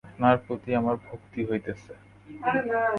আপনার প্রতি আমার ভক্তি হইতেছে।